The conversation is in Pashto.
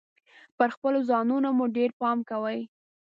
پر خپلو ځانونو مو ډیر پام کوﺉ .